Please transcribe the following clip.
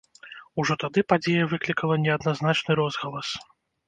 Ужо тады падзея выклікала неадназначны розгалас.